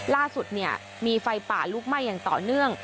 ล่าสุดมีไฟป่าลุกไหม้อย่างต่อเนื่อง